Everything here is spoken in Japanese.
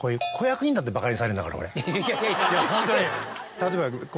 例えば。